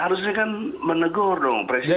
harusnya kan menegur dong presiden